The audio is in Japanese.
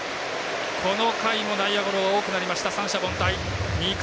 この回も内野ゴロが多くなりました。